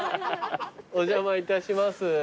お邪魔いたします。